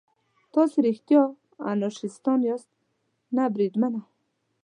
تاسې رښتیا انارشیستان یاست؟ نه بریدمنه.